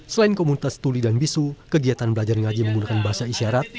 selain komunitas tuli dan bisu kegiatan belajar ngaji menggunakan bahasa isyarat